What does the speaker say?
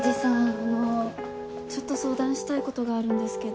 あのちょっと相談したいことがあるんですけど。